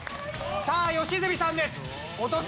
さあ良純さんです。